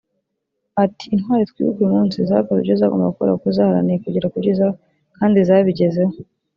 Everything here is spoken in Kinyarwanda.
Ati “Intwari twibuka uyu munsi zakoze ibyo zagombaga gukora kuko zaharaniye kugera ku byiza kandi zabigezeho